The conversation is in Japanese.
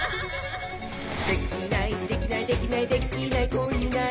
「できないできないできないできない子いないか」